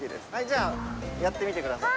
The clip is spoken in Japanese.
じゃあやってみてください。